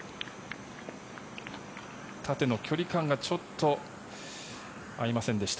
縦の距離感がちょっと合いませんでした。